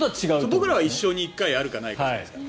僕らは一生に１回あるかないかですから。